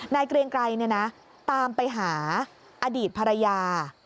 เกรียงไกรตามไปหาอดีตภรรยา